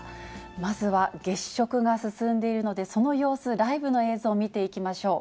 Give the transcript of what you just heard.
まずは月食が進んでいるので、その様子、ライブの映像を見ていきましょう。